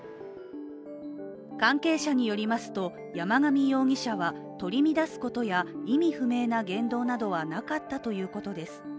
関係者によりますと、山上容疑者は取り乱すことや意味不明な言動などはなかったということです。